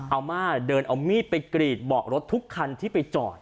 อาม่าเดินเอามีดไปกรีดเบาะรถทุกคันที่ไปจอด